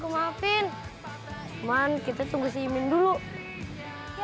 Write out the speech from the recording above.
kami akan ber apparently